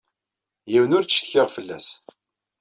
Yiwen ur ttcetkiɣ fell-as.